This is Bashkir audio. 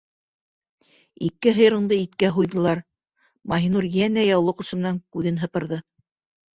Ике һыйырыңды иткә һуйҙылар, - Маһинур йәнә яулыҡ осо менән күҙен һыпырҙы.